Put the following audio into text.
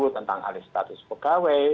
tentang alih status pegawai